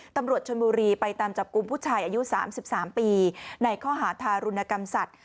ตำรวจชนบุรีไปตามจับกลุ่มผู้ชายอายุ๓๓ปีในข้อหาทารุณกรรมสัตว์